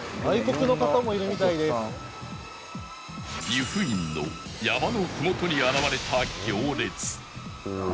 湯布院の山のふもとに現れた行列